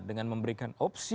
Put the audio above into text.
dengan memberikan opsi